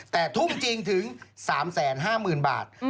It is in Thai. แต่ทุ่มจริงถึง๓๕๐๐๐บาท